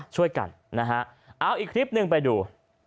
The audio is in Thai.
ช่วยกันนะฮะเอาอีกคลิปหนึ่งไปดู